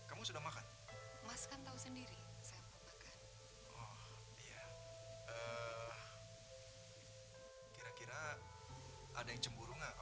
ada pak miranda